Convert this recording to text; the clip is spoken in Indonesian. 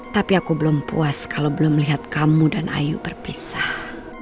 tapi aku belum puas kalau belum melihat kamu dan ayu berpisah